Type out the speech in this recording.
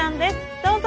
どうぞ。